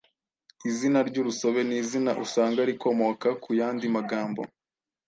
Izina y’urusobe ni izina usanga rikomoka ku yandi magambo